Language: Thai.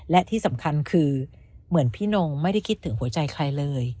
และที่สำคัญคือเหมือนพี่นงไม่ได้คิดถึงหัวใจใครเลย